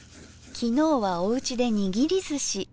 昨日はおうちでにぎりずし。